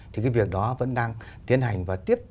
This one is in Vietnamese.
thì cái việc đó vẫn đang tiến hành và tiếp